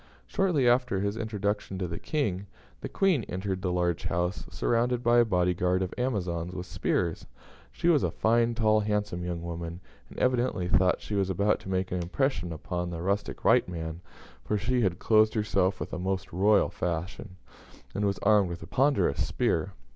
Shortly after his introduction to the King, the Queen entered the large house, surrounded by a body guard of Amazons with spears. She was a fine, tall, handsome young woman, and evidently thought she was about to make an impression upon the rustic white man, for she had clothed herself after a most royal fashion, and was armed with a ponderous spear.